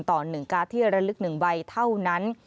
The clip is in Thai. ต่อ๑การ์ดที่ระลึก๑ใบเท่านั้น